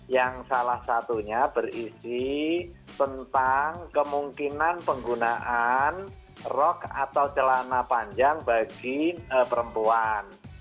yang salah satunya berisi tentang kemungkinan penggunaan rok atau celana panjang bagi perempuan